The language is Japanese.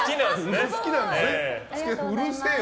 うるせえな。